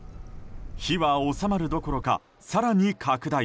火は収まるどころか、更に拡大。